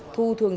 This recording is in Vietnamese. thu thường dạy